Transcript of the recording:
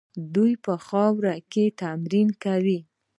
دوی په خاورو کې تمرین کوي.